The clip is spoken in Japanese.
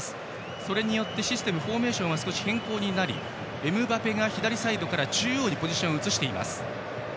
それによってシステムフォーメーションが変更になりエムバペが左サイドから中央にポジションを移しています。